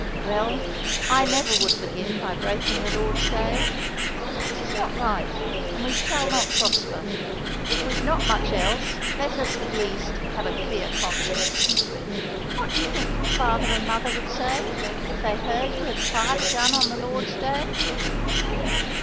"Well, I never would begin by breaking the Lord's day; 'tis not right, and we shall not prosper; if we've not much else, let us, at least, have a clear conscience. What do you think your father and mother would say, if they heard you had fired a gun on the Lord's day?"